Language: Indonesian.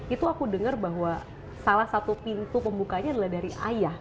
itu aku dengar bahwa salah satu pintu pembukanya adalah dari ayah